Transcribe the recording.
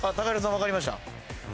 分かりました？